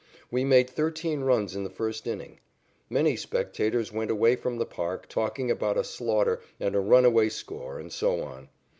We made thirteen runs in the first inning. Many spectators went away from the park talking about a slaughter and a runaway score and so on.